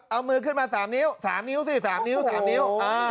เอามือขึ้นมา๓นิ้ว๓นิ้วสิ๓นิ้ว๓นิ้ว